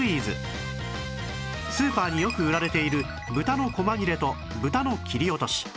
スーパーによく売られている豚のこま切れと豚の切り落とし